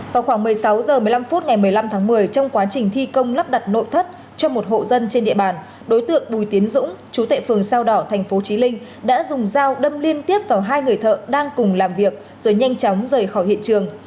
vào khoảng một mươi sáu h một mươi năm phút ngày một mươi năm tháng một mươi trong quá trình thi công lắp đặt nội thất cho một hộ dân trên địa bàn đối tượng bùi tiến dũng chú tệ phường sao đỏ tp chí linh đã dùng dao đâm liên tiếp vào hai người thợ đang cùng làm việc rồi nhanh chóng rời khỏi hiện trường